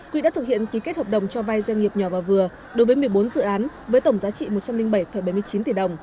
quỹ đã thực hiện ký kết hợp đồng cho vay doanh nghiệp nhỏ và vừa đối với một mươi bốn dự án với tổng giá trị một trăm linh bảy bảy mươi chín tỷ đồng